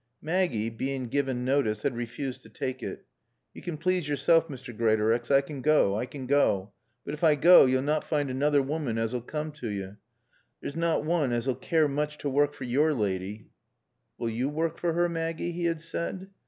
Maggie, being given notice, had refused to take it. "Yo' can please yoresel, Mr. Greatorex. I can goa. I can goa. But ef I goa yo'll nat find anoother woman as'll coom to yo'. There's nat woon as'll keer mooch t' work for yore laady." "Wull yo' wark for 'er, Maaggie?" he had said.